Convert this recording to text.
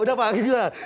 udah pak gitu lah